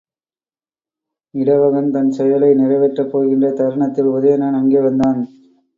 இடவகன் தன் செயலை நிறைவேற்றப் போகின்ற தருணத்தில் உதயணன் அங்கே வந்தான்.